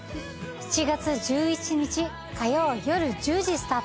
７月１１日火曜よる１０時スタート